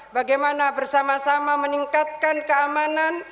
bagaimana bersama sama meningkatkan keamanan